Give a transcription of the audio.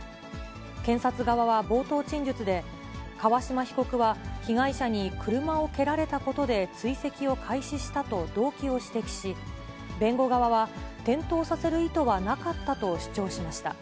検察側は冒頭陳述で、川島被告は被害者に車を蹴られたことで、追跡を開始したと動機を指摘し、弁護側は、転倒させる意図はなかったと主張しました。